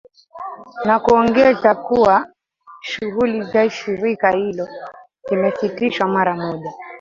na kuongeza kuwa shughuli za shirika hilo zimesitishwa mara moja